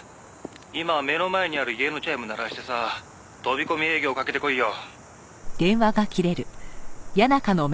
「今目の前にある家のチャイム鳴らしてさ飛び込み営業かけてこいよ」